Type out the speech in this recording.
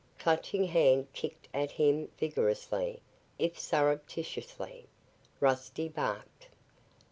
Clutching Hand kicked at him vigorously, if surreptitiously. Rusty barked.